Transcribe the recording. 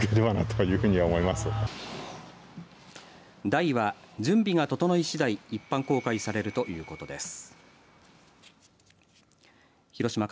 ダイは準備が整いしだい一般公開されるということです。